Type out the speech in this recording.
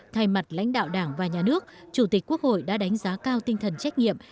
thay mặt lãnh đạo đảng và nhà nước chủ tịch quốc hội đã đánh giá cao tinh thần trách nhiệm